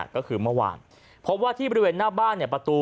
ก็คือเมื่อวาน